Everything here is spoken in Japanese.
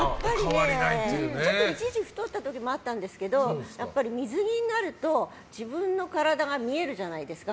一時期太った時もあったんですけど水着になると自分の体が見えるじゃないですか。